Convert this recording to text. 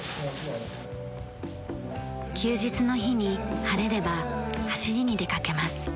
休日の日に晴れれば走りに出かけます。